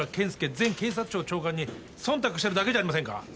前警察庁長官に忖度してるだけじゃありませんか？